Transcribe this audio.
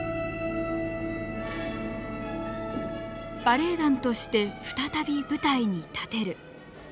バレエ団として再び舞台に立てる。